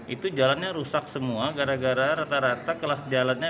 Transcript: itu jalannya rusak semua gara gara rata rata kelas jalannya